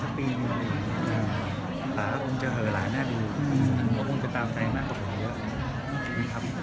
ฝ่าจะมาว่าหลายคนน่าจะดูว่าผมตามใจมากกว่าเขา